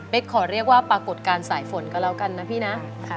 ขอเรียกว่าปรากฏการณ์สายฝนก็แล้วกันนะพี่นะ